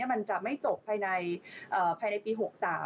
มันจะไม่จบภายในปี๖๓